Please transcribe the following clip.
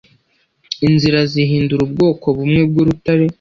inzira zihindura ubwoko bumwe bwurutare